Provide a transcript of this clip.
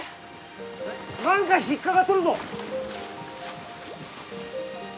なんか引っかかっとるぞ。